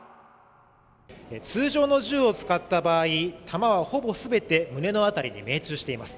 通常の銃を使った場合弾はほぼすべて胸の辺りに命中しています